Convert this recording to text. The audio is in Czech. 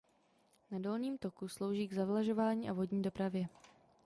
Na dolním toku slouží k zavlažování a vodní dopravě.